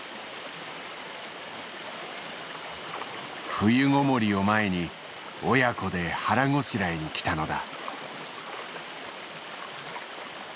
冬ごもりを前に親子で腹ごしらえに来たのだ。